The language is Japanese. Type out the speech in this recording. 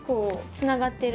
つながってる。